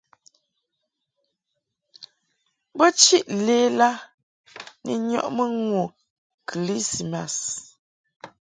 Bo chiʼ lela ni nyɔʼmɨ ŋu kɨlismas.